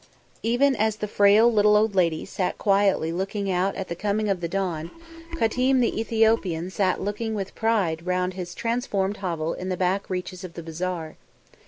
Even as the frail little old lady sat quietly looking out at the coming of the dawn, Qatim the Ethiopian sat looking with pride round his transformed hovel in the back reaches of the bazaar.